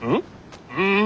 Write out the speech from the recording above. うん？